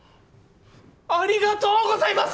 ありがとうございます！